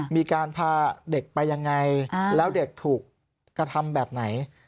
มีการพาเด็กไปยังไงแล้วเด็กถูกกระทำแบบไหน